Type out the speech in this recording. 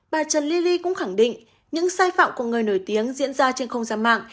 bà trần li ly cũng khẳng định những sai phạm của người nổi tiếng diễn ra trên không gian mạng